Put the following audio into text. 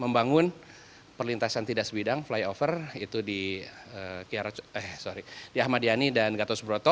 membangun perlintasan tidak sebidang flyover itu di ahmadiani dan gatus broto